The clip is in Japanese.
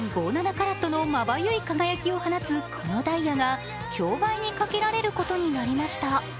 カラットのまばゆい輝きを放つこのダイヤが競売にかけられることになりました。